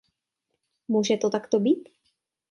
Může to takto být?